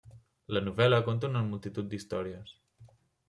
La novel·la conta una multitud d'històries.